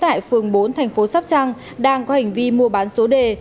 trang thị thùy dung chú tại phường bốn thành phố sóc trăng đang có hành vi mua bán số đề